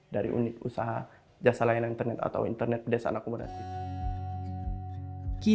dari unit usaha jasa layanan internet atau internet desa anak kumarasi